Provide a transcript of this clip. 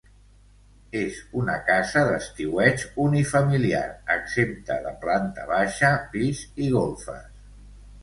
És una casa d'estiueig unifamiliar exempta de planta baixa, pis i golfes.